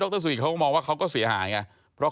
ก็ไม่รู้ว่าฟ้าจะระแวงพอพานหรือเปล่า